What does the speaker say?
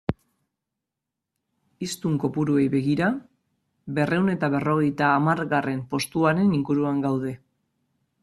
Hiztun kopuruei begira, berrehun eta berrogeita hamargarren postuaren inguruan gaude.